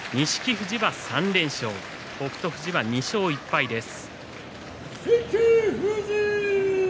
富士は３連勝北勝富士は２勝１敗です。